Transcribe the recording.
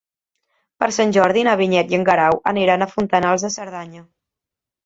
Per Sant Jordi na Vinyet i en Guerau aniran a Fontanals de Cerdanya.